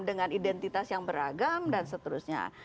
dengan identitas yang beragam dan seterusnya